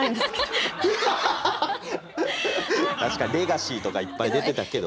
確かにレガシーとかいっぱい出てたけど。